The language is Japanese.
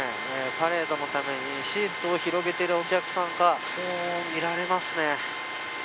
パレードのためにシートを広げているお客さんがもう見られますね。